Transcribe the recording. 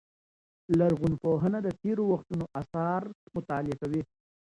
لرغونپوهنه د تېرو وختونو آثار مطالعه کوي.